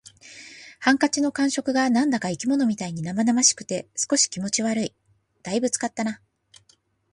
ハンカチの感触が何だか生き物みたいに生々しくて、少し気持ち悪い。「大分使ったな」